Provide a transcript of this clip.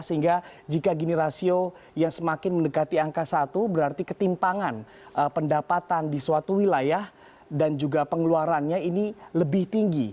sehingga jika gini rasio yang semakin mendekati angka satu berarti ketimpangan pendapatan di suatu wilayah dan juga pengeluarannya ini lebih tinggi